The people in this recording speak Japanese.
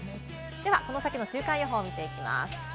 ではこの先の週間予報を見ていきます。